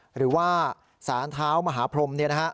หรือว่าสานเท้ามหาพรมเนี่ยนะฮะ